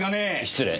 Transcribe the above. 失礼。